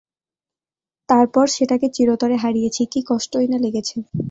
তারপর, সেটাকে চিরতরে হারিয়েছি, কী কষ্টই না লেগেছে।